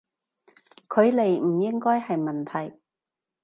距離唔應該係問題